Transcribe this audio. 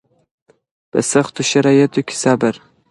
په سختو شرایطو کې صبر